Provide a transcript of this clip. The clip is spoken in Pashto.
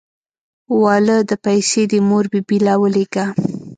واله دا پيسې دې مور بي بي له ولېګه.